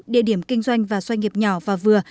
địa điểm kinh doanh và doanh nghiệp nhỏ và vừa